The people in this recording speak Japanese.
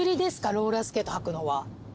ローラースケート履くのは。